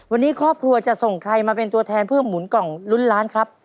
วันนี้ครอบครัวจะส่งใครมาเป็นตัวแทนเพื่อหมุนกล่องลุ้นล้านครับ